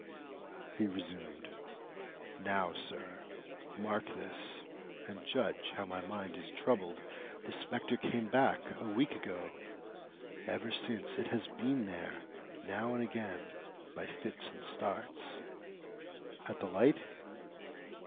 He resumed. "Now, sir, mark this, and judge how my mind is troubled. The spectre came back a week ago. Ever since, it has been there, now and again, by fits and starts." "At the light?"